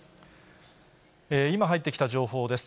今入ってきた情報です。